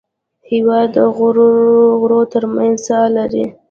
هېواد د غرو تر منځ ساه لري.